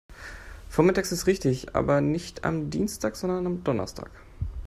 Vormittags ist richtig, aber nicht am Dienstag, sondern am Donnerstag.